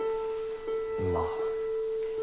まあ。